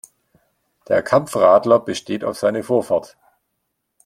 Der Kampfradler besteht auf seine Vorfahrt.